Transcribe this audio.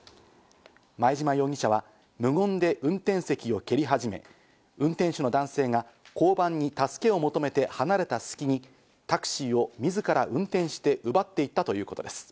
前嶋容疑者は無言で運転席を蹴り始め、運転手の男性が交番に助けを求めて離れた隙に、タクシーを自ら運転して奪っていったということです。